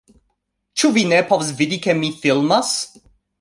Ĉu vi ne povas vidi, ke mi filmas?